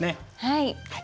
はい。